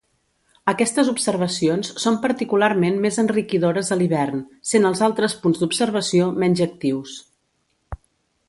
Aquestes observacions són particularment més enriquidores a l'hivern, sent els altres punts d'observació menys actius.